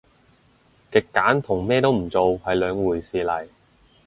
極簡同咩都唔做係兩回事嚟